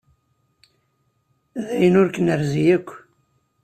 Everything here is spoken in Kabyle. D ayen ur k-nerzi yakk.